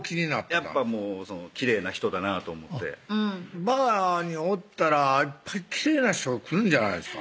やっぱきれいな人だなと思ってＢＡＲにおったらいっぱいきれいな人来るんじゃないですか？